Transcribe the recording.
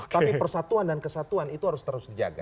tapi persatuan dan kesatuan itu harus terus dijaga